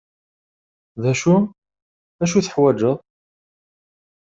D acu? acu i teḥwaǧeḍ?